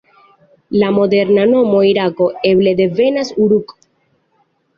La moderna nomo Irako, eble devenas de "Uruk".